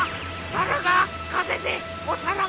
さらがかぜでおさらばだ！